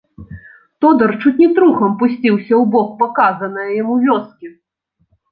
Тодар чуць не трухам пусціўся ў бок паказанае яму вёскі.